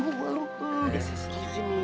gak ada sisi ini